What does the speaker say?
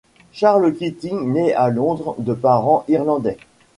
Charles Keating naît à Londres de parents irlandais.